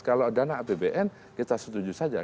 kalau dana apbn kita setuju saja